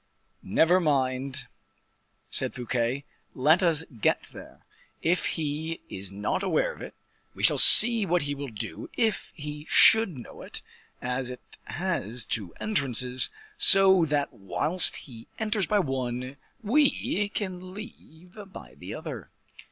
"Never mind," said Fouquet; "let us get there. If he is not aware of it, we shall see what he will do if he should know it, as it has two entrances, so that whilst he enters by one, we can leave by the other."